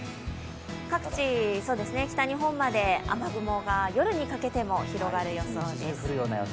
各地、北日本まで雨雲が夜にかけても広がる予報です。